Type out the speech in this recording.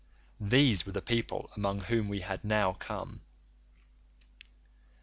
These were the people among whom we had now come.